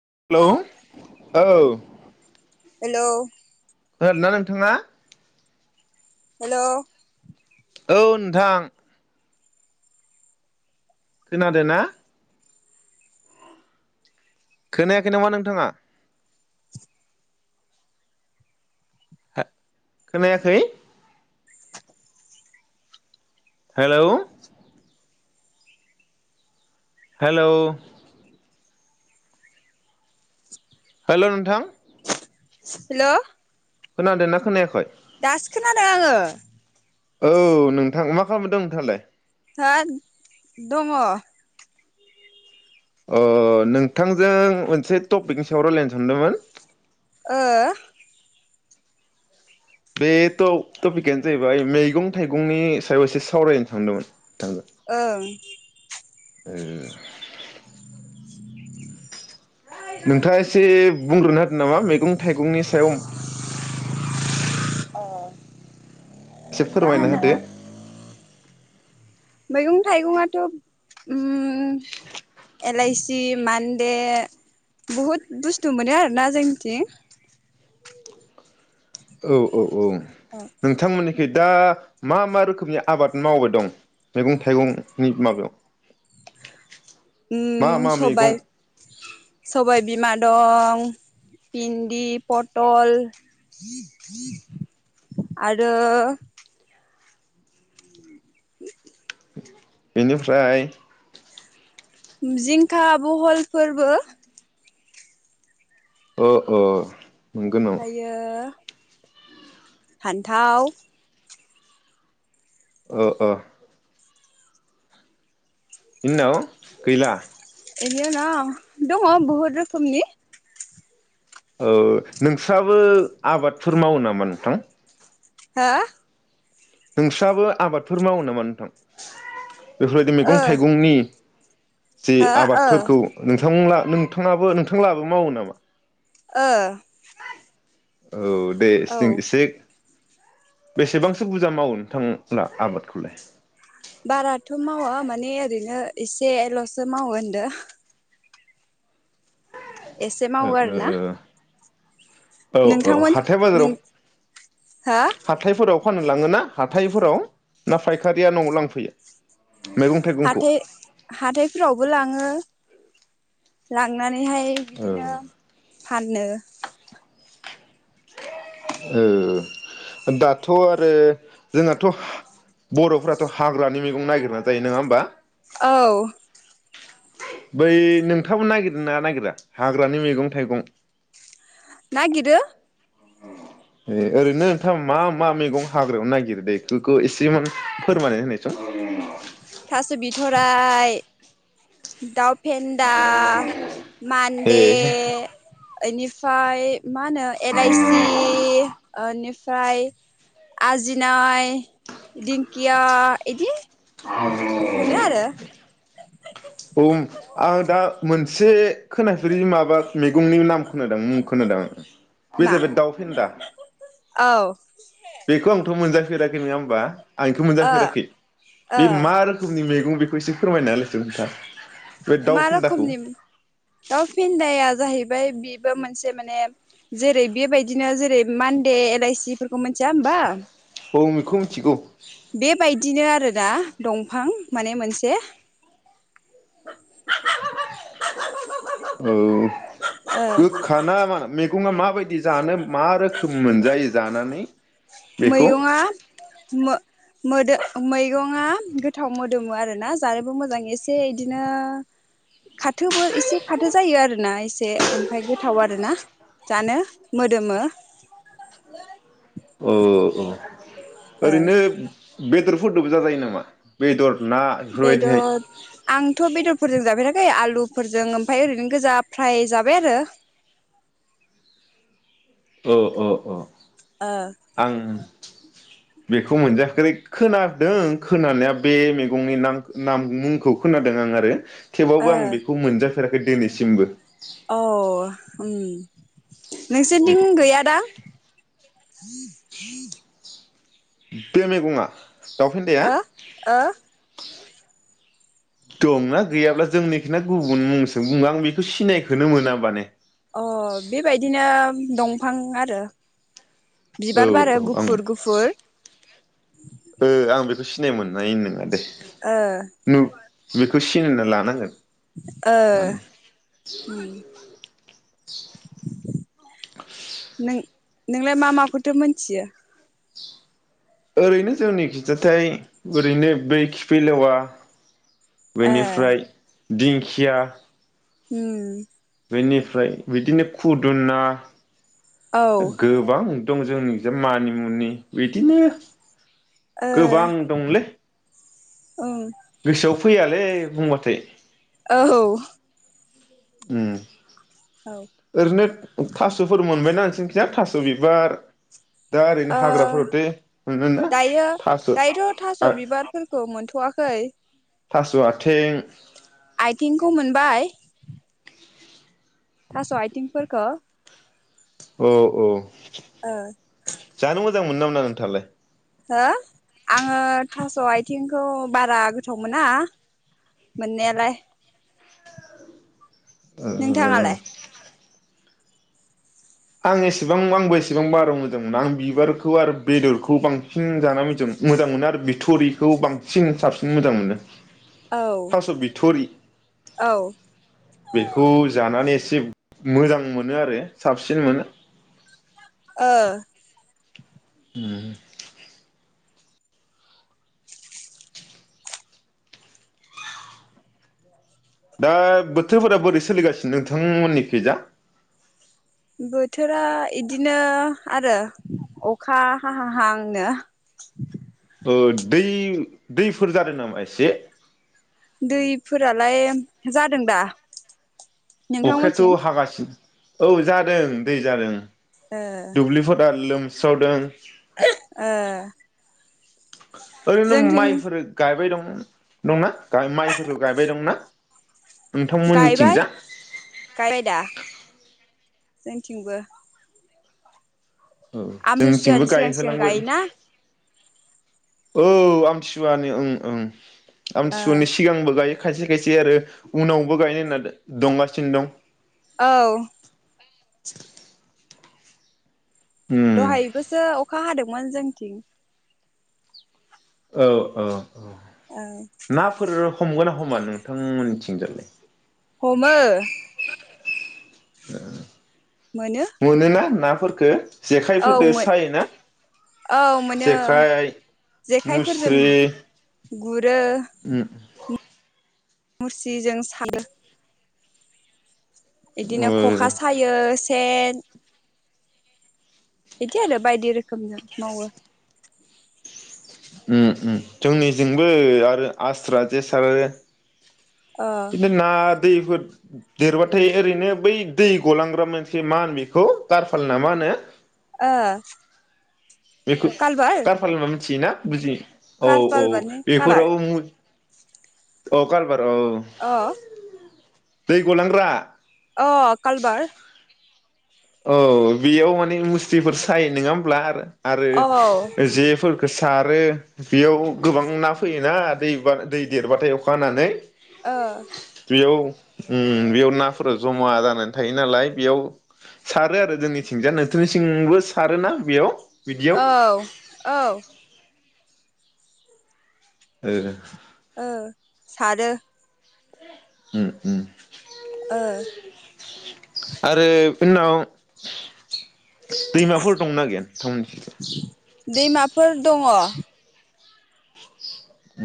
हेल' औ हेल' खोनादोंना नोंथाङा? हेल' औ नोंथां। खोनादो ना? खोनायाखै नामा नोंथाङा? खोनायाखै। हेल'। हेल'। हेल' नोंथां। हेल'। खोनादोंना खोनायाखै? दासो खोनादों आङो। औ नोंथां मा खालामदों नोंथाङालाय? हो दङ। अ नोंथांजों मोनसे टपिकनि सायाव रायलायनो सानदोंमोन। ओ। बे टपिकआनो जाहैबाय मैगं थाइगंनि सायाव एसे सावरायनो सानदोंमोन। ओ [unintelligible] [inaudible] नोंथाङा एसे बुंग्रोनो होदों नामा मैगं थाइगंनि सायाव। ओं एसे मा फोरमायना होनो होदो। मैगं थाइगंआथ' एलाइसि मान्दे बहुद बुस्थु मोनो आरोना जोंनिथिं। औ औ औ। नोंथांमोननिखै। दा मा मा रोखोमनि आबाद मावबाय दं मैगं थाइगंनि माबायाव? मा उम मा मैगं सबाय सबाय बिमा। दं भिन्दि पटल आरो बेनिफ्राय जिंखा बहल फोरबो अ औ। ओमफ्रायो फान्थाव ओ ओ। बिनि उनाव गैला? बेनि उवायाव दङ बहुद रोखोमनि औ नोंस्राबो आबादफोर मावो नामा नोंथां? हो? नोंस्राबो आबादफोर मावो नामा नोंथां? बेफोरबायदि ओ मैगं थाइगंनि। जे हो ओ आबादफोरखौ नोंथांमोनहा नोंथाङाबो नोंथां लाबो मावो नामा? ओ। औ दे औ जों एसे बेसेबांसो बुरजा मावो नोंथांला आबादखौलाय? बाराथ' मावा माने ओरैनो एसेल'सो मावो ओनदो। एसे ओ मावो ओ आरोना। औ औ नोंथांमोन हाथाय नों बाजाराव हो [inaudible] हाथायफोराव फाननो लाङोना हाथायफोराव ना फायखारिया न'आव लांफैयो मैगं थाइगंखौ हाथाय हाथायफोरावबो लाङो। लांनानै नैहाहाय बिदिनो फाननो। ओ दाथ' आरो जोंनाथ' बर'फोराथ' हाग्रानि मैगं नागिरना जायो नङा होमबा? औ बै नोंथाङाबो नागिर ना नागिरा हाग्रानि मैगं थाइगं? नागिरो। ए ओरैनो नोंथां मा मा मेगं हाग्रायावनो नागिरो दे इफोरखौ एसेमान फोरमायनानै होनायसं? थास' बिथ'राइ दाउ फेन्दा ए मानदे ओनिफाय मा होनो एलाइसि ओनिफ्राय आजिनाय दिंकिया इदि मोनो आरो। उम आं दा मोनसे खोनाफेरि माबा मेगंनि नाम खोनादां मुं खोनादां। बे मा जाहैबाय दाउ फेन्दा औ ओ बेखौ आंथ' मोनजाय [unintelligible] आं इखौ मोनजाफेराखै ओ बे मा रोखोमनि मेग नों बेखौ एसे फोरमायना [unintelligible] बे दाउ मा फेन्दाखौ रोखोमनि दाव फेन्दाया जाहै बाय बेबो मोनसे माने जेरै बेबायदिनो जेरै मान्दे एलाइसि फोरखौ मोनथिया होमबा? अम इखौ मिथिगौ। बेबायदिनो आरोना दंफां माने मोनसे [unintelligible] औ ओ गोखा ना मा मेगंआ माबाय दि जानो मा रोखोम मोनजायो जानान नै मैगं आ मो मोदो मैगंआ गोथाव मोदोमो आरोना जानोबो मोजां एसे इदिनो खाथोबो एसे खाथो जायो आरोना एसे ओमफ्राय गोथाव आरोना जानो मोदोमो। औ अ ओ ओरैनो बेदर फुदबजा जायो नामा बेदर ना बेफोरबायदिहाय बेदर आंथ' बेदरफोरजों जाफेरा खै आलुफोरजों ओमफाय ओरैनो गोजा फ्राय जाबाय आरो औ अ-अ आं बेखौ मोनजाफेरै खोनादों खोनानाया बे मैगंनि नां नाम मुंखौ खोनादों आं आरो ओ थेवबाबो आं बेखौ मोनजा फेराखै दिनैसिमबो औ उम नोंसोनथिं बे गैया दां? [inaudible] बे मैगंङा ओ-ओ दंना गैयाब्ला जोंनिखिना गुबुन मुंजों बुङो आं बेखौ सिनायखोनो मोना माने अ बेबायदिनो दंफां आरो औ बिबार बारो औ आं गुफुर-गुफुर ओ बेखौ सिनाय मोननाय नङा दे। ओ खौ सिनायना लानांगोन ओ माने उम [inaudible] नों नोंलाय मा माखौथो मोनथियो? ओरैनो जोंनि खिजाथाइ ओरैनो बै खिफिलेवा ए बेनिफ्राय दिंखिया हम बेनिफ्राय बिदिनो खुदुना औ ओ गोबां दं जोंनिखि जा मानिमुनि बिदिनो गोबां दंलै औ गोसोआव फैयालै बुंबाथाय ओहऔ उम आरैनोथ थास'फोर मोनबायना नोंसोरनिखिजा थास' बिबार दा ओरैनो ओ हाग्राफोरावथे मोनोना दायो थास' दायोथ' थास' आ बिबारफोरखौ मोनथ'वाखै थास' आथिं आइथिंखौ मोनबाय थास' आइथिंफोरखौ औ औ ओ जानो मोजां मोनो ना मोना नोंथाङालाय हो आङो थास' आथिंखौ बारा गोथाव मोना मोननायालाय ओ ओ नोंथाङालाय आं एसेबां आंबो एसेबां बारा मोजां मोनो आं बिबारखौ आरो बेदरखौ बांसिन जानानै मोजां मोनो आरो बिथ'रिखौ बांसिन साबसिन मोजां मोनो। औ थास' बिथरि औ बेखौ जानानै एसे मोजां मोनो आरो साब सिन मोनो ओ उम दा बोथोरफोरा बोरै सोलिगासिनो नोंथां मोननिखैजा बोथोरा इदिनो आरो अखा हाहां हांनो ओ दै दैफोर जादों नामा एसे दैफोरालाय जादों दा नोंथांमोनथिं अखायाथ' हागासिनो औ जादों दै जादों ओ दुब्लफ्रा दा लोम स्रावदों ओ ओरैनो जोंथिं माइफोर गायबाय दं दंना माइफोरखौ गायबाय दंना गायबाय नोंथांमोननिथिंजा जोंनिथिंबो औ जोंनिथिंबो आमथिसुवानि सिगां गायहो सिगां होलांबाय गायोना औ आमथिसुवानि ओं ओं ओ आमथिसुवानि सिगांबो गायो। खायसे खायसे आरो उनावबो गायनो होनना दंगासिनो दं। औ [inaudible] उम दहायबोसो अखा हादोंमोन जों निथिं औ औ औ नाफोर हमगो ना हमा नोंथां मोननिथिंजालाय? हमो। मोनो [inaudible] मोनोना ना? फोरखो औ जेखाइफोरदो सायोना औ मोनो जेखाइ, मुस्रि गुर उम गुरो मुस्रिजों सानो इदिनो ओ ख'खा सायो सेन बिदि आरो बायदि रोखोमजों मावो। उम उम जोंनिजोंबो आरो आस्रा जे सारो। ओ खिनथु ना दैफोर देरबाथाय ओरैनो बै दै गलांग्रा मोनसे मा हिन बेखौ कारफाल ना मा होनो? ओ बेखौ कालबार कारफाल [unintelligible] थियोना बुजि औ कारपाल औ माने कालबार बेफोराव अ काल बार औ, अ दै गलांग्रा। अ कालबार। औ बेयाव माने मुस्रिफोर सायो नङा होमब्ला आर आरो औ ओ जेफोरखोसो सारो बेयाव गोबां ना फैयोना दैबा दै देरबाथाय अखा हानानै। ओ बेयाव उम बेयाव नाफोर जमा जानानै थायो नालाय बेयाव सारो आरो जोंनिथिंजा नोंथोरनि सिंबो सारोना बेयाव? बिदियाव औ औ ओ ओ सारो उम उम। ओ आरो बेनि उनाव दैमाफोर दंना गैया नोंथां मोननिखै? दैमाफोर दङ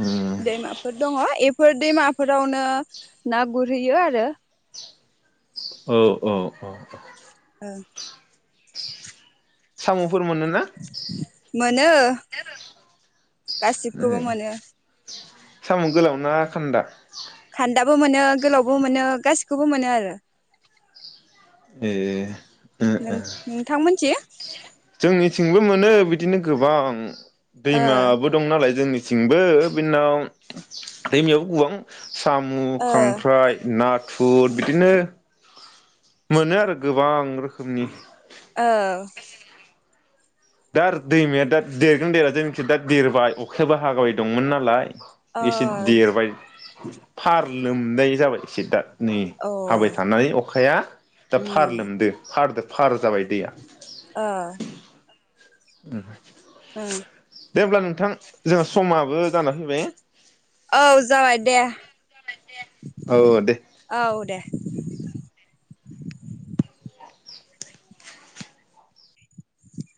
उम दैमाफोर दङ एब फोर दैमाफोरावनो ना गुरहैयो आरो। औ औ औ औ। औ। साम'। मोनो गासिखौबो ए मोनो। साम' गोलाव ना खान्दा। खान्दाबो मोनो गोलावबो मोनो गासिखौबो मोनो आरो। ए। ओ नों ओ नोंथांमोनथिं। थिंबो मोनो बिदिनो गोबां। ओ दैमाबो दं नालाय जोंनि थिंबो बिनाव दैमायाव गोबां। साम', ओ खांख्राइ, ना। फु बिदिनो। मोनो आरो गोबां रोखोमनि। ओ। दा दैमाया दा देरगोन देरा जोंनिथिं दा देरबाय अखायाबो हागाबाय दंमोन नालाय। एसे देरबाय। फार लोमनाय जाबाय एसे दा। नै ओ अ हाबाय थानानै अखाया दा फार उम लोमदों फार फार जाबाय दैया। ओ। ओम। ओम। दे‌ अब्ला नोंथां। जोंहा समाबो। जाना फैबाय। औ जाबाय दे। औ दे औ दे।